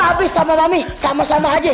lagi ya pak be sama mami sama sama aja